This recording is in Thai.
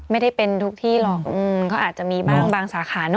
ไม่ได้เป็นทุกที่หรอกเขาอาจจะมีบาง